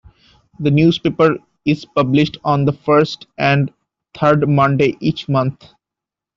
The newspaper is published on the first and third Monday each month.